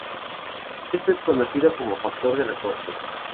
Esto es conocido como "factor de recorte".